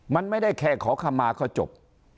มันไม่ได้แค่ขอคำมาก็จบ